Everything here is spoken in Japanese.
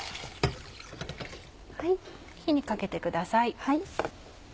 火にかけてください。